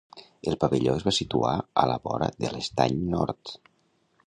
El Pavelló es va situar a la vora de l'Estany Nord.